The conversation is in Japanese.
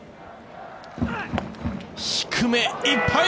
低めいっぱい。